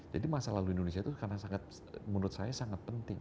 jadi masa lalu indonesia itu menurut saya sangat penting